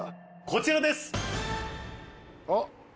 こちらです！